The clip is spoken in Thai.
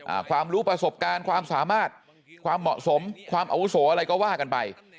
ความรู้ประสบการณ์ความสามารถความเหมาะสมความอาวุโสอะไรก็ว่ากันไป